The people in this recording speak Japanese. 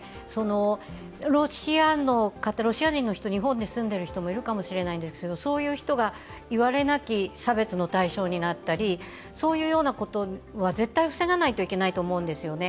ロシア人の人、日本に住んでいる人もいるかもしれないんですけれども、そういう人が言われなき差別の対象になったりそういうようなことは絶対防がないといけないと思うんですよね。